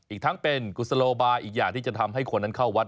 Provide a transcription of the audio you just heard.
อีกทั้งเป็นกุศโลบายอีกอย่างที่จะทำให้คนนั้นเข้าวัด